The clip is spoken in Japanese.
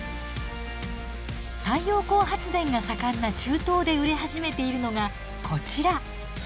太陽光発電が盛んな中東で売れ始めているのがこちら。